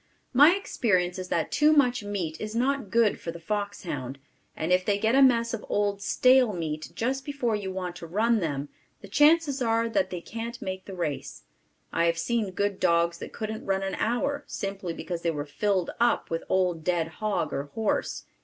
My experience is that too much meat is not good for the foxhound, and if they get a mess of old stale meat just before you want to run them, the chances are that they can't make the race. I have seen good dogs that couldn't run an hour, simply because they were filled up with old dead hog or horse.